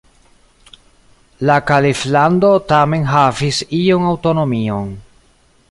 La kaliflando tamen havis iom aŭtonomion.